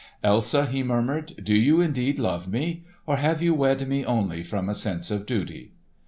"Elsa," he murmured, "do you indeed love me; or have you wed me only from a sense of duty?"